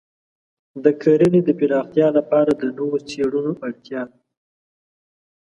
د کرنې د پراختیا لپاره د نوو څېړنو اړتیا ده.